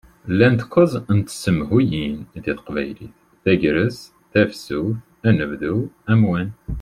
Llant kuẓ n tsemhuyin di teqbaylit: Tagrest, Tafsut, Anebdu, Amwan.